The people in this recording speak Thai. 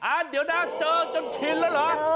เดี๋ยวนะเจอจนชินแล้วเหรอ